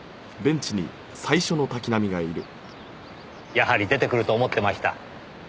やはり出てくると思ってました。